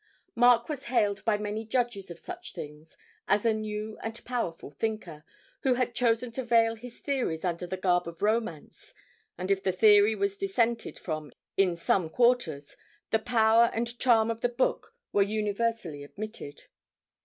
Mark was hailed by many judges of such things as a new and powerful thinker, who had chosen to veil his theories under the garb of romance, and if the theory was dissented from in some quarters, the power and charm of the book were universally admitted.